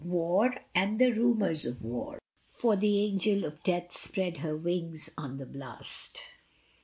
WAR AND RUMOUR OF WAR. For the angel of Death spread her wings on the blast.